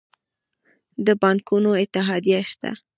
د بانکونو اتحادیه شته؟